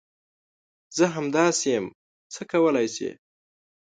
زه همداسي یم ، څه کولی شې ؟